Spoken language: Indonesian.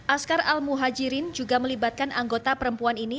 askar al muhajirin juga melibatkan anggota perempuan ini